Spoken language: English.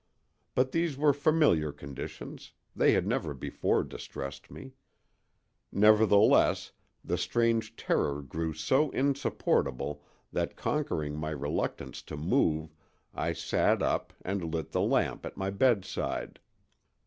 But these were familiar conditions; they had never before distressed me. Nevertheless, the strange terror grew so insupportable that conquering my reluctance to move I sat up and lit the lamp at my bedside.